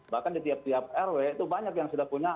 bahkan di tiap tiap rw itu banyak yang sudah punya